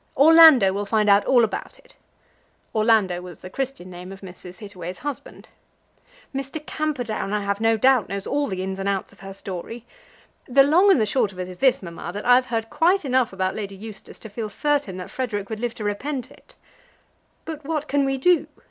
Orlando will find out all about it." Orlando was the Christian name of Mrs. Hittaway's husband. "Mr. Camperdown, I have no doubt, knows all the ins and outs of her story. The long and the short of it is this, mamma, that I've heard quite enough about Lady Eustace to feel certain that Frederic would live to repent it." "But what can we do?"